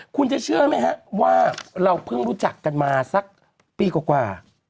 คุณจะเชื่อไหมฮะว่าเราเพิ่งรู้จักกันมาสักปีกว่า